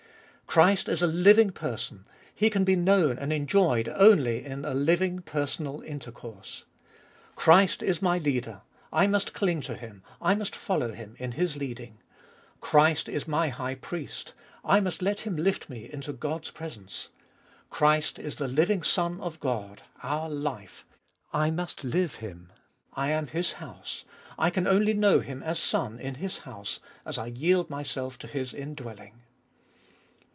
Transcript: Christ is a living person, He can be known and enjoyed only in a living personal 138 abe tboliest ot 2W intercourse. Christ is my Leader ; I must cling to Him, I must follow Him, in His leading. Christ is my High Priest ; I must let Him lift me into God's presence. Christ is the living Son of God, our life ; I must live Him. I am His house ; I can only know Him as Son in His house as I yield myself to His indwelling.